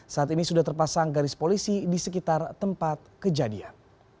saat ini sudah terpasang garis polisi di sekitar tempat kejadian